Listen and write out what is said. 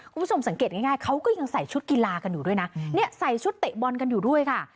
คุณผู้ชมสังเกตง่ายเขาก็ยังใส่ชุดกีฬากันอยู่ด้วยนะเนี่ยใส่ชุดเตะบอลกันอยู่ด้วยค่ะ